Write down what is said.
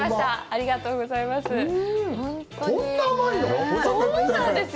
ありがとうございます。